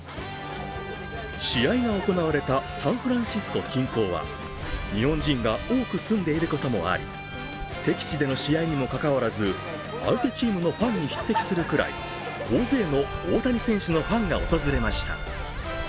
試合が行われたサンフランシスコ近郊は日本人が多く住んでいることもあり、敵地での試合にもかかわらず、相手チームのファンに匹敵するくらい大勢の大谷選手のファンが訪れました。